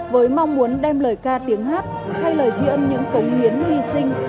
với mong muốn đem lời ca tiếng hát thay lời tri ân những cống hiến hy sinh